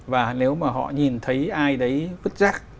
và nếu mà họ nhìn thấy ai đấy vứt rác